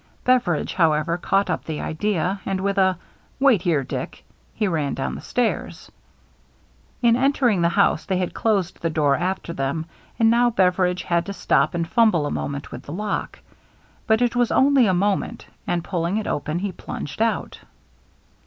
Beveridge, however, caught up the idea ; and with a " Wait here, Dick," he ran down the stairs. In entering the house they had closed the door after them, and now Beveridge had to stop and fumble a moment with the lock. THE MEETING 329 But it was only a moment, and pulling it open he plunged out.